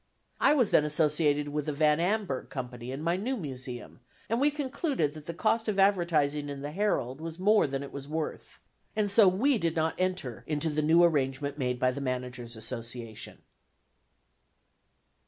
I was then associated with the Van Amburgh Company in my new Museum, and we concluded that the cost of advertising in the Herald was more than it was worth, and so we did not enter into the new arrangement made by the Managers' Association.